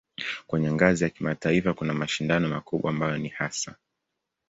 Kwenye ngazi ya kimataifa kuna mashindano makubwa ambayo ni hasa